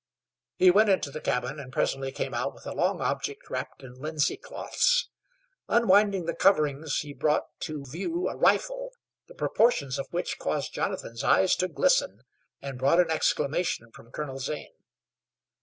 He went into the cabin, and presently came out with a long object wrapped in linsey cloths. Unwinding the coverings, he brought to view a rifle, the proportions of which caused Jonathan's eyes to glisten, and brought an exclamation from Colonel Zane.